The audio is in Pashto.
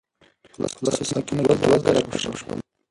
په لسو ساعتونو کې دوه زره کشف شول.